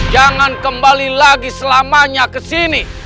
jangan kembali lagi selamanya kesini